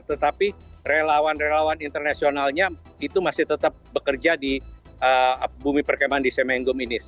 tetapi relawan relawan internasionalnya itu masih tetap bekerja di bumi perkembangan di semenggung ini